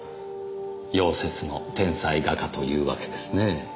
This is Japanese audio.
夭折の天才画家というわけですね。